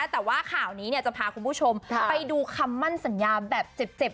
แต่ว่าข่าวนี้จะพาคุณผู้ชมไปดูคำมั่นสัญญาแบบเจ็บ